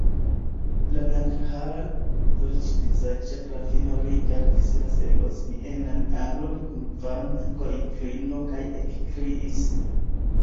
La blankhara, dolĉvizaĝa grafino rigardis la seriozmienan anglon kun varma korinklino kaj ekkriis: